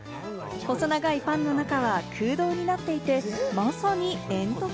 細長いパンの中は空洞になっていて、まさに煙突！